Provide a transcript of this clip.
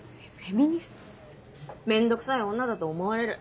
面倒くさい女だと思われる。